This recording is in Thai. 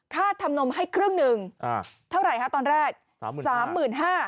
คาดทำนมให้ครึ่งหนึ่งอ่าเท่าไรฮะตอนแรกสามหมื่นห้า